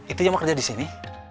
itu yang mau kerja disini